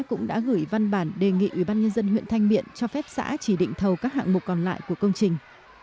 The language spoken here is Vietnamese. ủy ban nhân dân huyện thanh miện cho phép xã chỉ định thầu các hạng mục còn lại của công trình